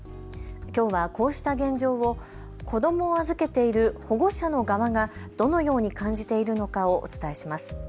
きょうはこうした現状を子どもを預けている保護者の側がどのように感じているのかをお伝えします。